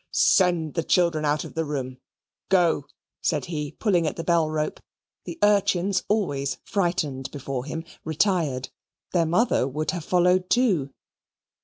"Send the children out of the room. Go!" said he pulling at the bell rope. The urchins, always frightened before him, retired: their mother would have followed too.